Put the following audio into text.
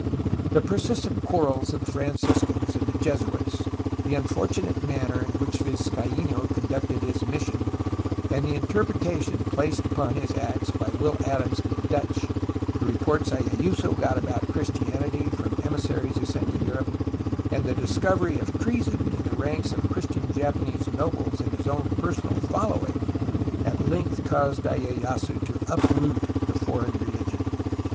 The persistent quarrels of the Franciscans and Jesuits, the unfortunate manner in which Vizcaino con ducted his mission and the interpretation placed upon his acts by Will Adams and the Dutch, the reports lyeyasu got about Christianity from emissaries he sent to Europe, and the discovery of treason in the ranks of Christian Japanese nobles in his own personal following at length caused lye yasu to uproot the foreign religion.